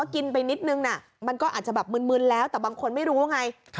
กินไปนิดนึงมันก็อาจจะแบบมึนแล้วแต่บางคนไม่รู้ไง